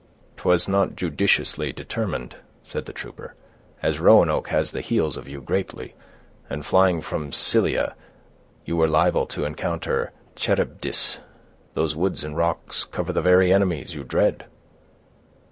"'Twas not judiciously determined," said the trooper, "as Roanoke has the heels of you greatly; and flying from Scylla, you were liable to encounter Charybdis. Those woods and rocks cover the very enemies you dread."